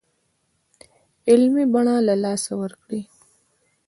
علمي بڼه له لاسه ورکړې.